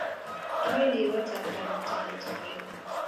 Kipendi kot ab kamuktaindet karun